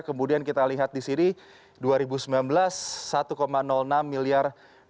kemudian kita lihat di sini dua ribu sembilan belas satu enam miliar